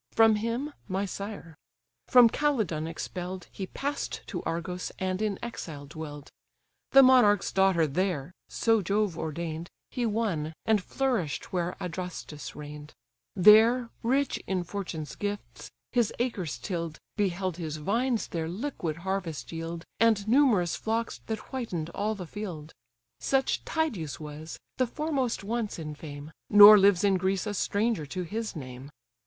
From him, my sire. From Calydon expell'd, He pass'd to Argos, and in exile dwell'd; The monarch's daughter there (so Jove ordain'd) He won, and flourish'd where Adrastus reign'd; There, rich in fortune's gifts, his acres till'd, Beheld his vines their liquid harvest yield, And numerous flocks that whiten'd all the field. Such Tydeus was, the foremost once in fame! Nor lives in Greece a stranger to his name.